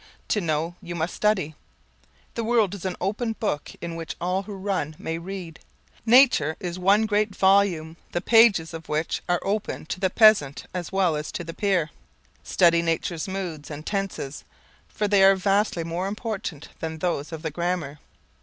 To know you must study. The world is an open book in which all who run may read. Nature is one great volume the pages of which are open to the peasant as well as to the peer. Study Nature's moods and tenses, for they are vastly more important than those of the grammar.